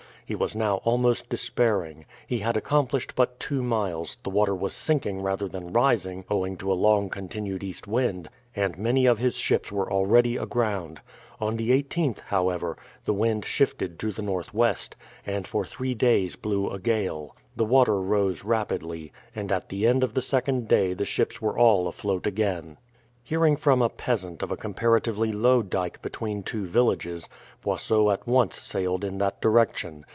He was now almost despairing. He had accomplished but two miles, the water was sinking rather than rising owing to a long continued east wind, and many of his ships were already aground. On the 18th, however, the wind shifted to the northwest, and for three days blew a gale. The water rose rapidly, and at the end of the second day the ships were all afloat again. Hearing from a peasant of a comparatively low dyke between two villages Boisot at once sailed in that direction.